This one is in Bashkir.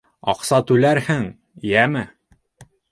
Аҡса түләрһең, йәме!